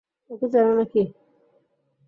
ওকে চেনো নাকি?